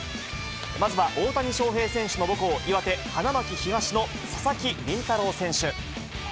まずは大谷翔平選手の母校、岩手・花巻東の佐々木麟太郎選手。